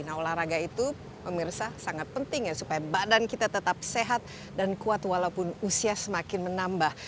nah olahraga itu pemirsa sangat penting ya supaya badan kita tetap sehat dan kuat walaupun usia semakin menambah